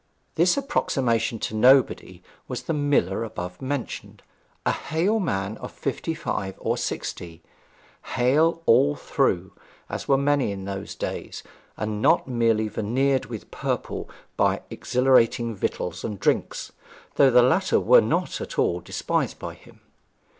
This approximation to nobody was the miller above mentioned, a hale man of fifty five or sixty hale all through, as many were in those days, and not merely veneered with purple by exhilarating victuals and drinks, though the latter were not at all despised by him.